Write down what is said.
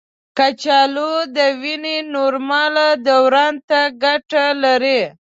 کچالو د وینې نورمال دوران ته ګټه لري.